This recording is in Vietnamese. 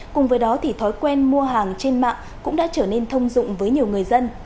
cùng với đó thì thói quen mua hàng trên mạng cũng đã trở nên thông dụng với nhiều người dân